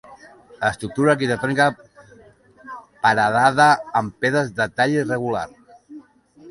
Estructura arquitectònica paredada amb pedres de tall irregular.